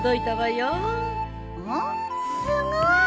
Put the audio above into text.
すごい！